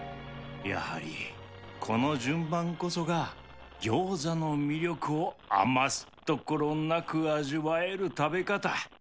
やはりこの順番こそがギョーザの魅力を余すところなく味わえる食べ方